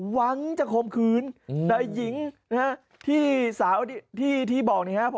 หวังจะคมขืนแต่หญิงที่บอกนี่ครับ